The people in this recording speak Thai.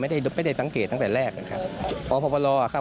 ไม่ได้ไม่ได้สังเกตตั้งแต่แรกนะครับอพรอ่ะครับ